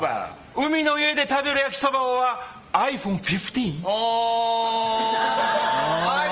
海の上で食べる焼きそばｏｒｉＰｈｏｎｅ１５？